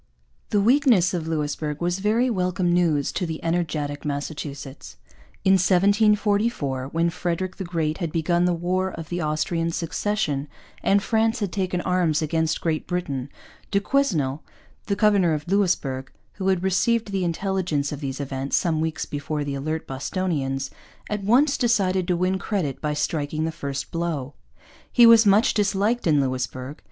The weakness of Louisbourg was very welcome news to energetic Massachusetts. In 1744, when Frederick the Great had begun the War of the Austrian Succession and France had taken arms against Great Britain, du Quesnel, the governor of Louisbourg, who had received the intelligence of these events some weeks before the alert Bostonians, at once decided to win credit by striking the first blow. He was much disliked in Louisbourg.